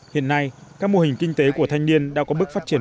hiện nay các mô hình kinh tế của thanh niên đã có bước phát triển